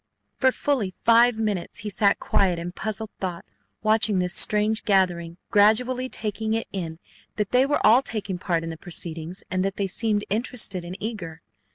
For fully five minutes he sat quiet in puzzled thought, watching this strange gathering, gradually taking it in that they were all taking part in the proceedings and that they seemed interested and eager.